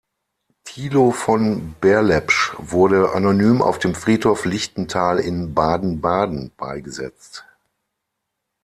Tilo von Berlepsch wurde anonym auf dem Friedhof Lichtental in Baden-Baden beigesetzt.